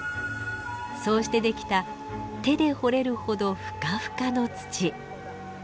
そうして出来た手で掘れるほどふかふかの土。